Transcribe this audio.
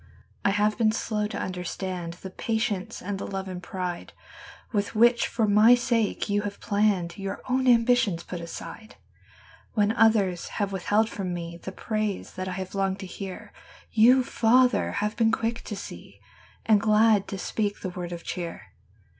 I have been slow to understand The patience and the love and pride "With which for my sake you have hour own ambitions put aside. from me The praise that I have longed to hear, Y>u, Father, have been quick to see Ar^d glad to speak the word of cheer.